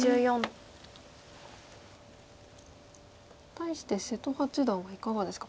対して瀬戸八段はいかがですか？